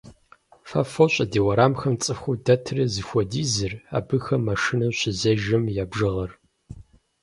Фэ фощӀэ ди уэрамхэм цӀыхуу дэтыр зыхуэдизыр, абыхэм машинэу щызежэм я бжыгъэр.